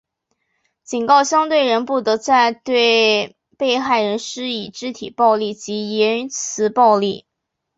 警告相对人不得再对被害人施以肢体暴力及言词暴力。